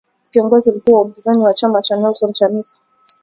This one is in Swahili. kiongozi mkuu wa upinzani wa chama cha Nelson Chamisa